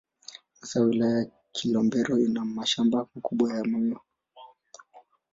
Hasa Wilaya ya Kilombero ina mashamba makubwa ya miwa.